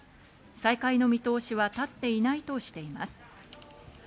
再開の見通しは立っていないとしています。